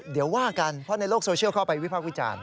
เดี๋ยวว่ากันเพราะในโลกโซเชียลเข้าไปวิภาควิจารณ์